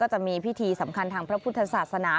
จะมีพิธีสำคัญทางพระพุทธศาสนา